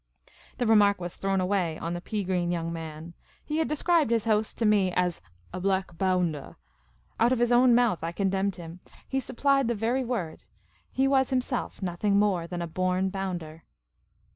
The remark was thrown away on the pea green young man. He had described his host to me as "a black boundah." Out of his own mouth I condemned him — he supplied the very word — he was himself nothing more than a born bounder.